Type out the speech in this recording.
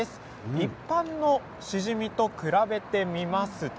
一般のシジミと比べてみますと